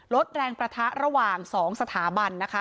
ลดแรงประทะระหว่าง๒สถาบันนะคะ